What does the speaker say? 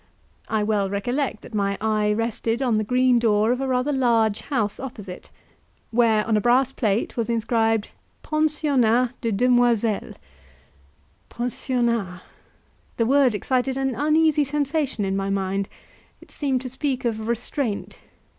I well recollect that my eye rested on the green door of a rather large house opposite, where, on a brass plate, was inscribed, "Pensionnat de Demoiselles." Pensionnat! The word excited an uneasy sensation in my mind; it seemed to speak of restraint.